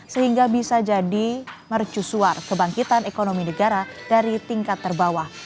sehingga bisa jadi mercusuar kebangkitan ekonomi negara dari tingkat terbawah